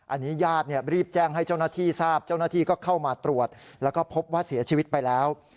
อันนี้ญาติรีบแจ้งให้เจ้าหน้าที่ทราบเจ้าหน้าที่ก็เข้ามาตรวจแล้วก็พบว่าเสียชีวิตไปแล้ว